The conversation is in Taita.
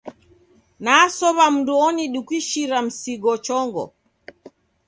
Nasow'a mndu onidukishira msigo chongo.